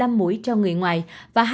một mươi năm mũi cho người ngoài và